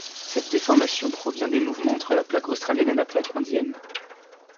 Cette déformation provient des mouvements entre la plaque australienne et la plaque indienne.